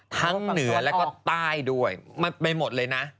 เหนือแล้วก็ใต้ด้วยมันไปหมดเลยนะ